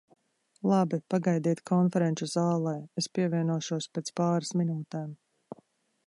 Labi, pagaidiet konferenču zālē, es pievienošos pēc pāris minūtēm.